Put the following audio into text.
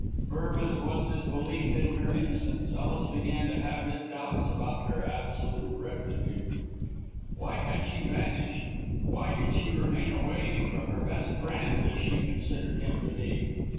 Firm as was his belief in her innocence, Ellis began to have his doubts about her absolute rectitude. Why had she vanished? Why did she remain away from her best friend, as she considered him to be?